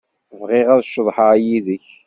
Bɣiɣ ad ceḍḥeɣ yid-k.